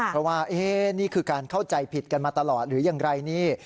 เพราะว่านี่คือการเข้าใจผิดกันมาตลอดหรือยังไรนี่